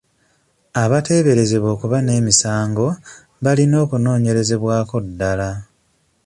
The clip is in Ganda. Abateeberezebwa okuba n'emisango balina okunoonyerezebwako ddala.